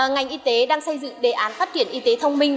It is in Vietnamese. ngành y tế đang xây dựng đề án phát triển y tế thông minh